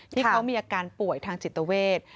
ที่เขามีอาการป่วยทางจิตเวท